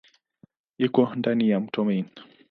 Iko kando ya mto Main.